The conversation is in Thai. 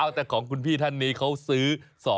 แต่ของคุณพี่ท่านนี้เขาซื้อ